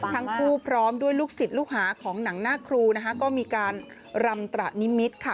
ทั้งคู่พร้อมด้วยลูกศิษย์ลูกหาของหนังหน้าครูนะคะก็มีการรำตระนิมิตรค่ะ